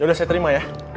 yaudah saya terima ya